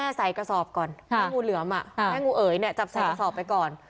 จับแม่ใส่กระสอบก่อนแม่งูเหลือมอ่ะแม่งูเอ๋ยเนี่ยจับใส่กระสอบไปก่อน